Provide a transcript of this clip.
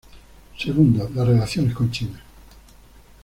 Segundo, las relaciones con China.